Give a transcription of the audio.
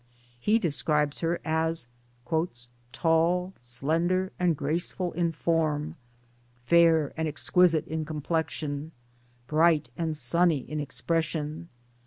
He describes her as " tall, slender and graceful in form ; fair and exquisite in complexion ; bright and sunny in expression.